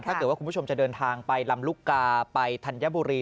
ถ้าเกิดว่าคุณผู้ชมจะเดินทางไปลำลูกกาไปธัญบุรี